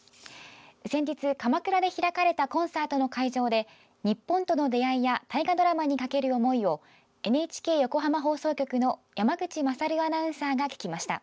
先日、鎌倉で開かれたコンサートの会場で日本との出会いや大河ドラマにかける思いをＮＨＫ横浜放送局の山口勝アナウンサーが聞きました。